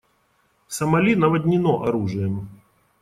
Сомали наводнено оружием.